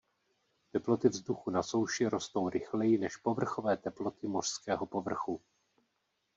Teploty vzduchu na souši rostou rychleji než povrchové teploty mořského povrchu.